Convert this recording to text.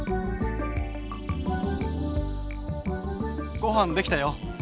・ごはんできたよ。